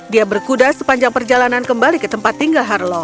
dia berkuda sepanjang perjalanan kembali ke tempat tinggal harlo